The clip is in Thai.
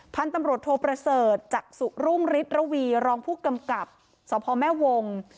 พันธุ์ตำรวจโทประเสริฐจักษุรุ่งฤทระวีรองผู้กำกับสพแม่วง